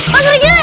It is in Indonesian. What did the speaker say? pak sri kiti